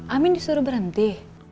amin disuruh berhenti